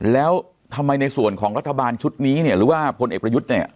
แล้วทำไมในส่วนของรัฐบาลชุดนี้เนี่ยหรือว่าพลเอกประยุทธ์เนี่ย